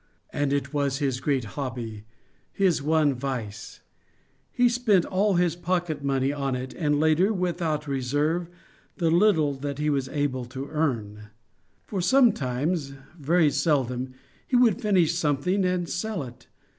And it was his great hobby, his one vice: he spent all his pocket money on it and, later, without reserve, the little that he was able to earn. For sometimes, very seldom, he would finish something and sell it.